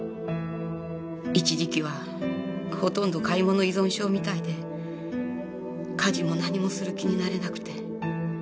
一時期はほとんど買い物依存症みたいで家事も何もする気になれなくて。